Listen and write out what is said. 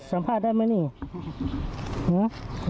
สัมภาษณ์ได้ไหมนี่นะ